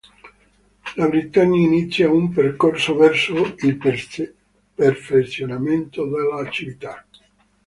La Britannia inizia un percorso verso il perfezionamento della civiltà.